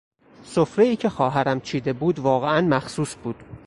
سفرهای که خواهرم چیده بود واقعا مخصوص بود.